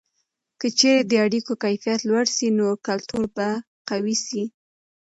که چیرې د اړیکو کیفیت لوړه سي، نو کلتور به قوي سي.